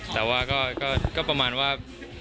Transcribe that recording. แต่ว่าก็ประมาณว่า